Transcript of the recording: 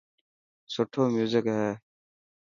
سٺو ميوزڪ هي.